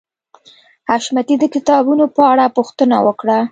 حشمتي د کتابونو په اړه پوښتنه وکړه